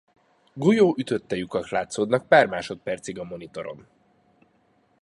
Golyó ütötte lyukak látszódnak pár másodpercig a monitoron.